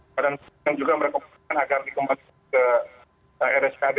badan pom juga merekomendasikan agar dikembangkan ke rskd